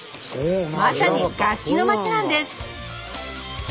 まさに楽器の町なんです！